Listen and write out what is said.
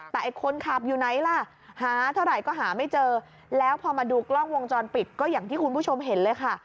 แต่ไอ้คนขับอยู่ไหนล่ะหาเท่าไหร่ก็หาไม่เจอแล้วพอมาดูกล้องวงจรปิดก็อย่างที่คุณผู้ชมเห็นเลยค่ะ